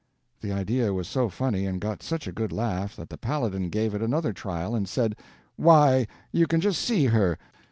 The idea was so funny, and got such a good laugh, that the Paladin gave it another trial, and said: "Why you can just see her!